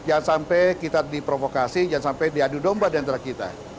jangan sampai kita diprovokasi jangan sampai diadu domba di antara kita